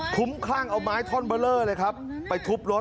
คุ้มคลั่งเอาไม้ท่อนเบอร์เลอร์เลยครับไปทุบรถ